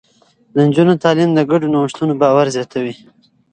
د نجونو تعليم د ګډو نوښتونو باور زياتوي.